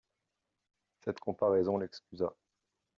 Cette comparaison l'excusa.